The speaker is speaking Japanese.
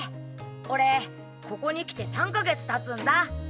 俺ここに来て３か月経つんだ。